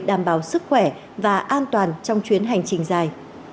đảm bảo sức khỏe và an toàn trong chuyến hành trình dài